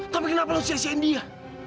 tapi kenapa lo cacain dia